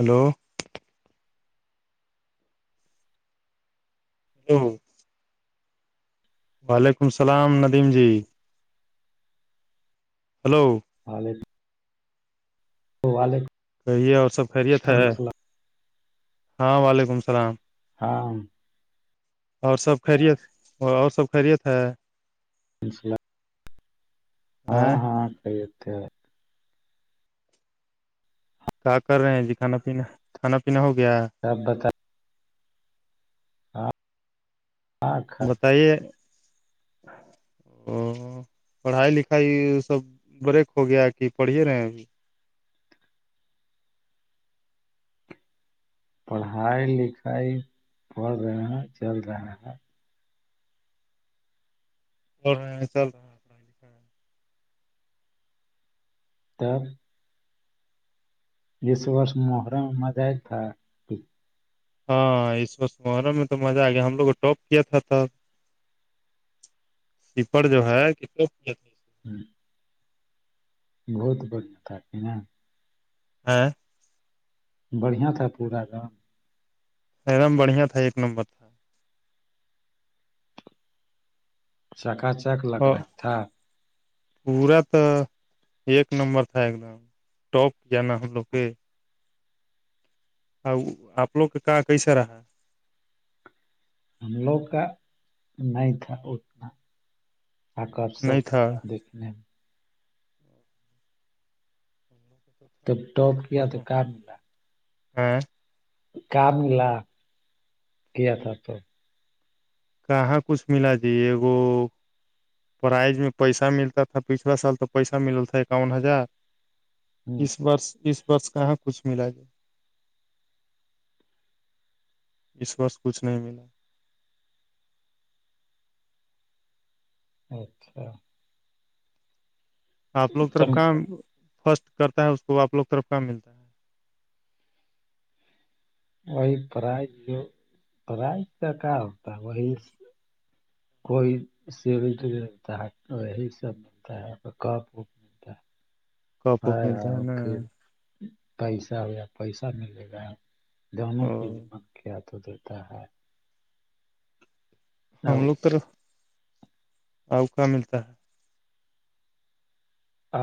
Hello ہاں وعلیکم السلام ندیم جی ہلو ہاںے تو و واللیکم کہیے اور سب خیریت ہے ہاں وعلیکم السلام ہاں اور سب خیریت اور سب خیریت ہے انس اللہ ہاں ہٹ یہ تھ ہے کہ کر رہے ہیں جی کھانا پینا کھانا پینا ہو گیا ہے تب بتا ہاں خ- بتائیے ا پڑھائی لکھائی سب بریک ہو گیا کہ پڑھیے رہے ہیں اب پڑھائی لکھائی پڑ رہے ہیں چل رہے ہیں اور رہ چل رہا [unintelligible] لکھائی۔ تو [unintelligible] ج وورس محرم مذید تھا [unintelligible] ہاں اس وقت مروں میں تو مزہ آ گیا ہم لوگوں کو ٹاپ کیا تھا [unintelligible] سپر جو ہے کتنے [unintelligible] ہوں [unintelligible] بہت بڑیا تھاتے ہیں [unintelligible] ہاں [unintelligible] بڑھیا تھا پورا گم [unintelligible] ایک دم بڑھیا تھا ایک نمبر تھا چکا چک لگ اور رہا تھا پورا تو ایک نمبر تھا ایک دم ٹاپ ج نا ہم لوگ کے [unintelligible] ہ آپ لوگ کا کہاں کیسا رہا ہم لوگ کا نہیں تھا اتنا آک سب نہیں تھا دیکھنے [unintelligible] تب ٹاپ کیا تو ک ملا [unintelligible] ہاں کا ملا گیا تھا تو [unintelligible] کہاں کچھ ملا جے وہو [unintelligible] پرائز میں پیسہ ملتا تھا پچھلا سال تو پیسہ مل تھا اکاون ہزار ہ اس و اس ورس کہاں کچھ ملا ج [unintelligible] اس وس کچھ نہیں ملا [unintelligible] اچھا آپ لوگ طرف تم کا فسٹ کرتا ہے اس کو آپ لوگ طرف کا ملتا ہے وہی پرائز جو پرائز کا کا ہوتا ہے وہی کوئی سیور ملتا ہے تو وہی سب ملتا ہے پ کپ وپ [unintelligible] کپ وپ ہاں ملتا ہاں ہے نا اوک [unintelligible] پیسہ ہو یا پیسہ ملے گا دونوں اور چیز من کیا تو دیتا ہے ہم لوگ تو اؤقا ملتا ہے [unintelligible]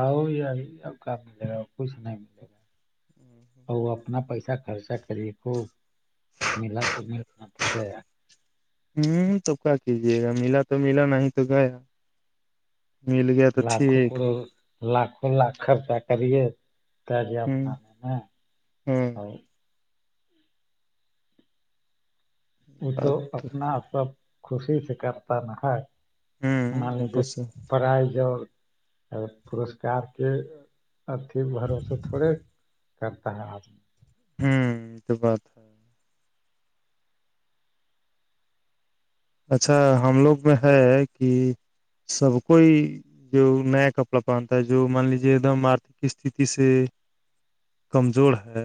آ یار اب کیا ملے گا کچھ نہیں ملے گا [unintelligible] ہے اور وہ اپنا پیسہ خرچہ کرے [unintelligible] ملا تو ملنا تو گیا ہوں تو کیا کیجیے گا ملا تو ملا نہیں تو گیا مل گیا تو لاکھوں ٹھیک کروڑ لاکھوں لاکھ خرچہ کریے ت جے ہوں اپناان میں ہوں اور [unintelligible] وہ تو بات اپنا سب خوشی سے کرتا نہ ہے مان ہوں تو لیجیے سے پرائز اور پورسکار کے اھی بھروسے تھوڑے کرتا ہے آدمی [unintelligible] ہوں یہ تو بات ہے اچھا ہم لوگ میں ہے کہ سب کوئی جو نیا کپڑا پہنتا ہے جو مان لیجے ایک دم آرتھک استھتی سے کمزور ہے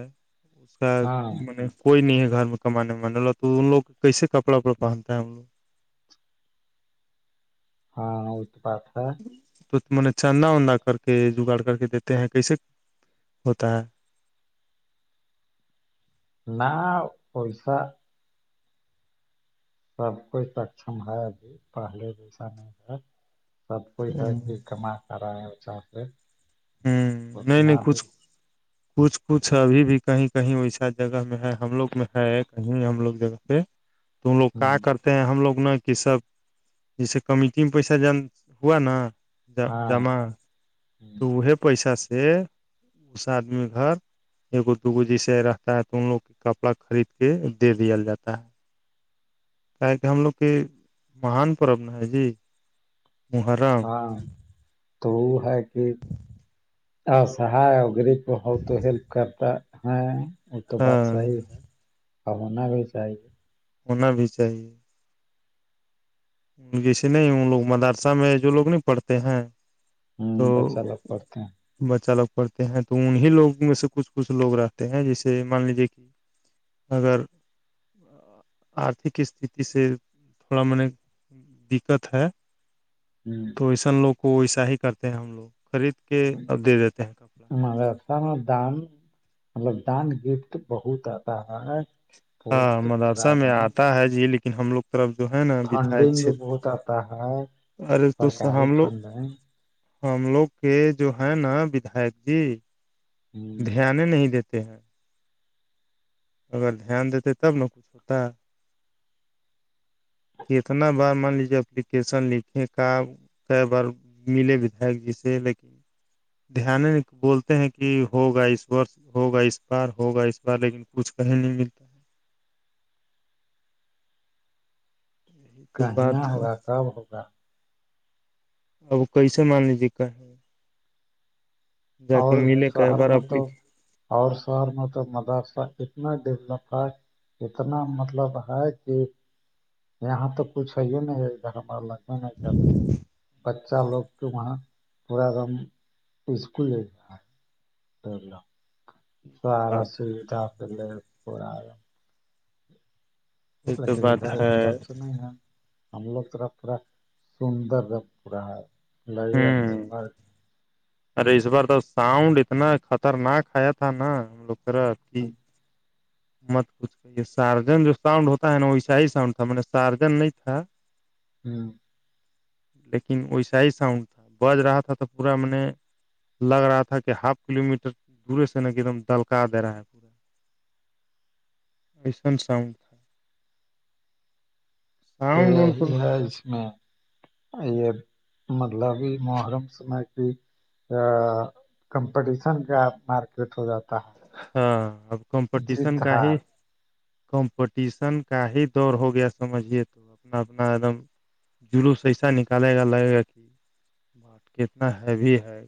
اس کا میں [unintelligible] کوئی نہیں ہے گھر میں کمانے مانے والا تو ان لوگ کیسے کپڑا وپڑا پہنتا ہے ہم لوگ ہاں وہ تو بات ہے میں نے چاندہ وندا کر کے جگاڑ کر کے دیتے ہیں کیسے ہوتا ہے نہ پیسہ [unintelligible] سب کچھ اکچم ہے ا بھیھی پہلے جیسا نہیں ہے [unintelligible] سب کوئی ہے کہ کما کرا ہے اچھا سے ہوں نہیں نہیں کچھ کچھ کچھ ابھی بھی کہیں کہیں ویسا جگہ میں ہے ہم لوگ میں ہے کہیں ہم لوگ جگہ پہ تم لوگ کا کرتے ہیں ہم لوگ نا کہ سب جیسے کمیٹی میں پیسہ ج ہوا نا ج جمع تو وہ پیسہ سے اس آدمی گھر او دوگو جیسے رہتا ہے تو ان لوگ کے کپڑا خرید کے دے دیال جاتا ہے کیا کہ ہم لوگ کی مہان پرب نا ہے جی محرا تو وہ ہے کہ ا سہا گری ہو تو ہیلپ کرتا ہے وہ تو بات ہاں صحیح ہے اور ہونا بھی چاہیے ہونا بھی چاہیے جیسے نہیں ان لوگ مدرسہ میں جو لوگ نہیں پڑھتے ہیں ہوں تو بچہ لگ پڑھتے ہیں بچہ لوگ پڑھتے ہیں تو انیں لوگ میں سے کچھ کچھ لوگ رہتے ہیں جیسے مان لیجے کہ اگر آرھک است سے تھوڑا م نے دقت ہے ہوں ویسن لوگ کو ویسا ہی کرتے ہیں ہم لوگ خرید کے اب دے دیتے ہیں کپڑا مرسہ میں دان مطلب دان گفٹ بہت آتا ہاں بہت مدرسہ پورا میں دام آتا ہے جی لیکن ہم لوگ طرف جو ہے نا بداک فنڈنگ بھی بہت آتا ہے ارے تو سرکاری ہم لوگ فنڈنگ ہم لوگ کے جو ہے نا بداک جی ہوں دھیان نہیں دیتے ہیں اگر دھیان دیتے تب ن کچھ ہوتا ہے کتنا بار مان لیجیے اپلیکیشن لکھے کا کئی بار ملے وداک جی سے لیکن دھیان بولتے ہیں کہ ہوگا اس و ہوگا اس بار ہوگا اس بار لیکن کچھ کہیں نہیں ملتا ہے۔ یہی تو کہیا بات ہے ہوگا کب ہوگا اب کیسے مان لیجیے کا کے اور ملے ک شہر بار میں تو اپلیک اور شہر میں تو مدرسہ اتنا ڈولپ تھا اتنا مطلب ہے کہ یہاں تو کچھ ہے نہیں لگ میں نے کہ بچہ لوگ کے وہاں تھوڑا دم اسکول سارا بات سھا پل پورام یہ ا تو ک بات ادھر ہے اسٹاف سے نہیں نا ہملو طرا پا سندر پا لگ س ہوں ارے اس بار تو ساؤنڈ اتنا خطرناک آیا تھا نا ہم لوگ تورا مت کچھ یہ سارجن جو ساؤنڈ ہوتا ہے نا ویسا ہی ساؤنڈ تھا میں نے سارجن نہیں تھا ہوں لیکن ویسا ہی ساؤنڈ تھا بج رہا تھا تو پورا میں نے لگ رہا تھا کہ ہاف کلو میٹر دورے سے نا ایک دم دلکا دے رہا ہے پورا اسن ساؤن تھا تو ساؤنڈ وڈ یہی پر ہے اس میں یہ مطلب یہ محرم س کی ا کمپٹیشن کا مارکیٹ ہو جاتا ہاں اب ہے کمپٹیشن جیت کا ہے ہار کمپٹیشن کا ہی دور ہو گیا سمجھیے تو اپنا اپنا ایک دم جلو سیسا نکالے گا لگے گا کہٹ کتنا ہیوی ہے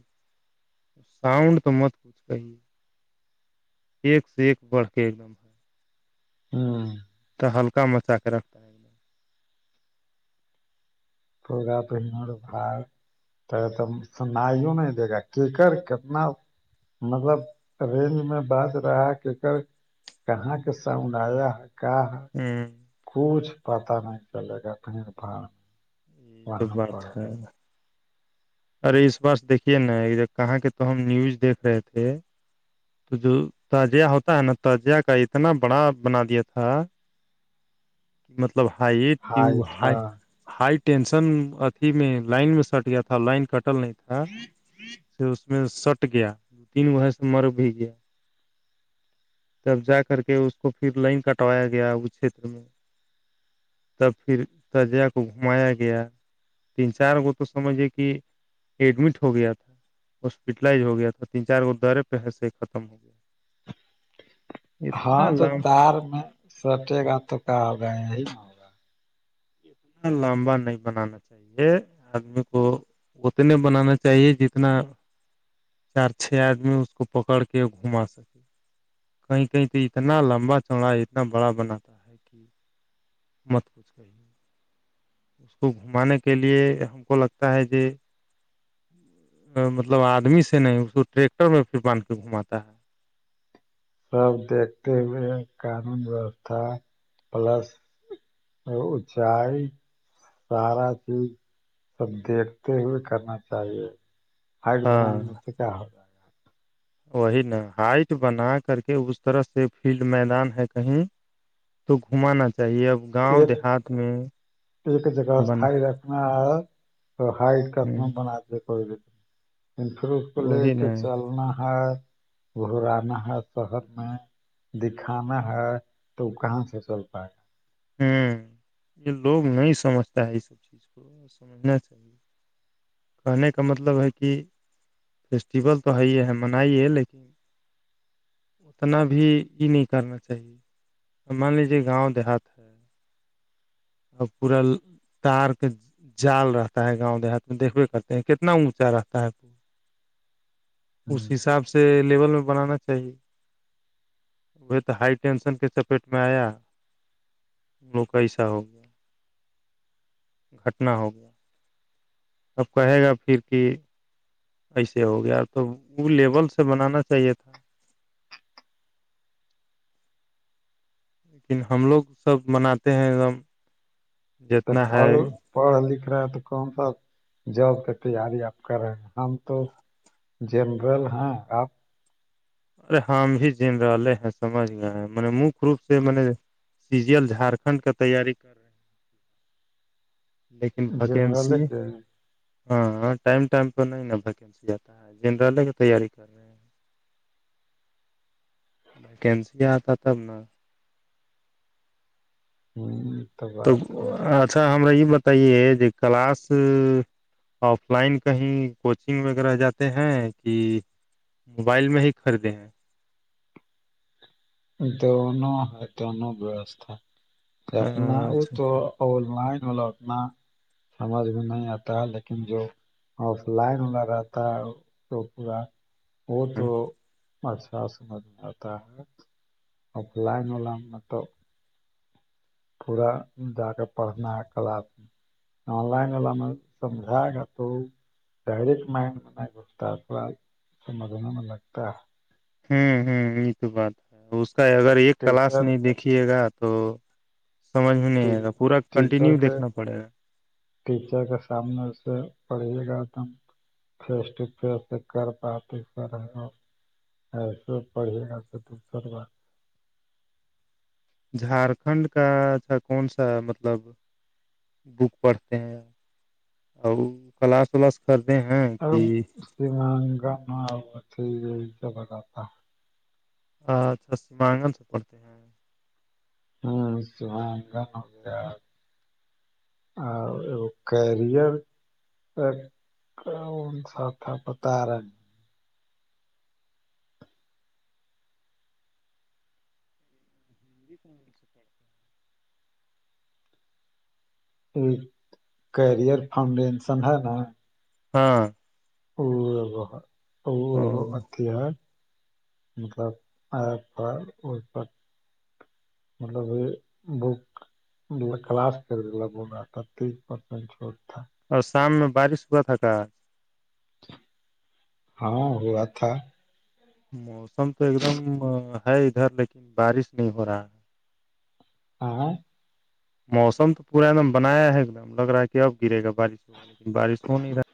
ساؤنڈ تو مت کچھ کای ہے ایک سے ایک بڑھ کے ایک دم ہے ہاں [unintelligible] تو ہلکا مچا کے رکھتا ہے ایک فگا پہنر بات ت سناائیوں نہیں دے گا کیکر کتنا مطلب رینج میں باز رہا کہک کہاں کے ساؤنڈ آیا ہے کہ ہے ہوں کچھ پتا نہیں چلے گا پڑ بھاڑ میں یہ تو بات ہے ارے اس بس دیکھیے نا جب کہاں کے تو ہم نیوز دیکھ رہے تھے تو جو تعجیہ ہوتا ہے نا تعجیہ کا اتنا بڑا بنا دیا تھا کہ مطلب ہائٹ کی ہائی ہائی ٹینشن اھی میں لائن میں سٹ گیا تھا لائن سٹل نہیں تھا پ اس میں سٹ گیا تین بہ سے مر بھی گیا تب جا کر کے اس کو پھر لائن کٹوایا گیا اس چھیتر میں [unintelligible] تب پھر تجیہ کو گھمایا گیا تین چار گت سمجھے کہ ایڈمٹ ہو گیا تھا ہاسپٹلائز ہو گیا تھا تین چار گ درے پہسے ختم ہو گیا ہاں اتنا تو لمبا تار میں سٹے گا تو کہ آ گئے ہی لمبا نہیں بنانا چ [unintelligible] یہ آدمی کو اتنے بنانا چاہیے جتنا چار چھ آدمی اس کو پکڑ کے گھما سکے کہیں کہیں تو اتنا لمبا چوڑا ہے اتنا بڑا بناتا ہے ہے کہ [inaudible] مت کچھ کہیں گے [unintelligible] اس کو گھمانے کے لیے ہم کو لگتا ہے ج مطلب آدمی سے نہیں اس کو ٹریکٹر میں پھر باندھ کے گھماتا ہے سب دیکھتے ہوئے قانون ویوستھا پلس اونچائی سارا چیز سب دیکھتے ہوئے کرنا چاہیے کھٹ بنانے ہاں میں تو کیا ہو رہ ہے وہی نا ہائٹ بنا کر کے اس طرح سے فیلڈ میدان ہے کہیں تو گھمانا چاہیے اب [unintelligible] ایک دیہات میں ایک جگہ اسائی بنا ر تو ہائٹ کتنا بنا کو ان فروخ کو لے وہی کے نا چلنا ہے وہ رہنا ہے شہر میں دکھانا ہے تو وہ کہاں سے چل پائے گا ہوں یہ لوگ نہیں سمجھتا ہے اس سب چیز کو سمجھنا چاہیے [unintelligible] کہنے کا مطلب ہے کہ فیسٹیول تو ہے ہے منائی ہے لیکن اتنا بھی یہ نہیں کرنا چاہیے مان لیجیے گاؤں دیہات اور پورا تار کے جال رہتا ہے گاؤں دیہات میں دیکھوے کرتے ہیں کتنا اونچا رہتا ہے پ اس حساب سے لیل میں بنانا چاہیے وہ تو ہائی ٹینشن کے چپیٹ میں آیا لوک ایسہ ہو گیا گھٹنا ہو گیا اب کہے گا پھر کہ ایسے ہو گیا تو وہ لیول سے بنانا چاہیے تھا لیکن ہم لوگ سب مناتے ہیں ایک دم پ جتنا ہے پر پڑھا لکھ رہا ہے تو کون سا جاب کے تیاری آپ کر رہے ہیں ہم تو جنرل ہاں آپ ارے ہم بھی جین والے ہیں سجھ گئے ہیں م مک روپ سے م نے سیریل جھارکھنڈ کا تیاری کر رہے ہیں لیکن ویکینسی ہاں ہاں ٹائم ٹائم پہ نہیں نا ویکینسی جتا ہے جنرلے کا تیاری کر رہے ہیں ویکنسی ج آتا تب ن ہ تو بات ہے اچھا ہمارا یہ بتائیے کہ کلاس آف لائن کہیں کوچنگ وغیرہ جاتے ہیں کہ موبائل میں ہی خریدے ہیں تونا ہے تون بیوستا اپنا وہ اچھا تو آن لائن والا اتنا سمجھ میں نہیں آتا ہے لیکن جو اور لائن ہولا رہتا ہے تو پورا وہ تو اچھا سمجھ میں آتا ہے اف لائن و لام م تو پورا جااک پڑھنا ہے کلاس میں آن لائن میں سمجھا گ تو ڈائریکٹ مائنڈ میں گتا ااد سمجھنے میں لگتا ہے ہوں ہوں یہ تو بات ہے اس کا اگر ایک کلاس ٹیچر نہیں دیکھیے گا تو سمجھ میں نہیں آئے گا پورا ٹیچر کنٹینیو کے دیکھنا پڑے گا ٹیچر کے سامنے اسے پڑھھیے گا تم فیس ٹو فیس کر پاتات س سو پڑے گا سے دوسر بات جھارکھنڈ کا اچھا کون سا مطلب بک پڑھتے ہیں اور کلاس ولاس کرتے ہیں کہ مہنگا یہ س بگاتا اچھا سیمانگن سے پڑھتے ہیں ہوں گ ہو اور ایگ کیریئر سھا پتا رہا بھی ایک کیریئر فاؤنڈیشن ہے نا ہاں ا اب ا او اب اتی ہے مطلب آ پ ا پر مطلب یہ بک مطلب کلاس کر کے ل ہو رہا تھا تیس پرسینٹ چھوٹ تھا اور شام میں بارش ہوا تھا کا ہاں ہوا تھا موسم تو ایک دم ہے ادھر لیکن بارش نہیں ہو رہا ہے ہاں موسم تو پورا ایک دم بنایا ہے ایک دم لگ رہا ہے کہ اب گرے گا بارش ہوگا لیکن بارش ہو نہیں رہا